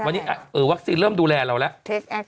วันนี้วัคซีนเริ่มดูแลเราแล้ว